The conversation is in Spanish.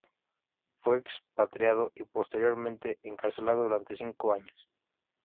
Fue expatriado y posteriormente encarcelado durante cinco años.